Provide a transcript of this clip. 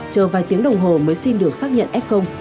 chờ vài tiếng đồng hồ mới xin được xác nhận f